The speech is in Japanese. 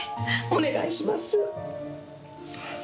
お願いします。